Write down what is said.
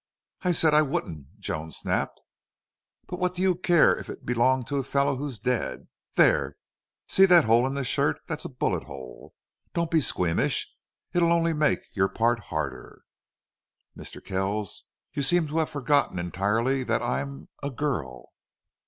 "I said I wouldn't!" Joan snapped. "But what do you care if it belonged to a fellow who's dead?... There! See that hole in the shirt. That's a bullet hole. Don't be squeamish. It'll only make your part harder." "Mr. Kells, you seem to have forgotten entirely that I'm a a girl."